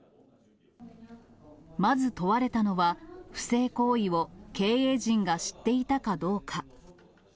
まず問われたのは、不正行為を経営陣が知っていたかどうか。